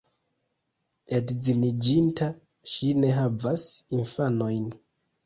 Edziniĝinta, ŝi ne havas infanojn.